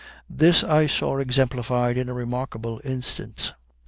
This I saw exemplified in a remarkable instance.